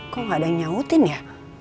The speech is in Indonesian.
kok gak ada yang nyautin ya